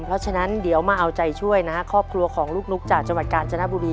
เพราะฉะนั้นเดี๋ยวมาเอาใจช่วยนะฮะครอบครัวของลูกนุ๊กจากจังหวัดกาญจนบุรี